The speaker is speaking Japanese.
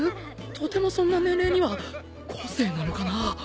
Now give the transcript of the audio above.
とてもそんな年齢には個性なのかな？